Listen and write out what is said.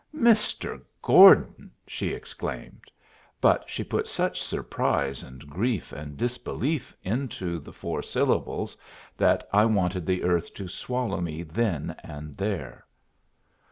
"Mr. Gordon!" she exclaimed, but she put such surprise and grief and disbelief into the four syllables that I wanted the earth to swallow me then and there.